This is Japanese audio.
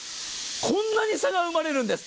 こんなに差が生まれるんです。